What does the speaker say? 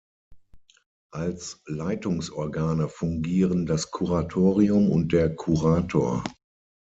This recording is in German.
Als Leitungsorgane fungieren das Kuratorium und der Kurator.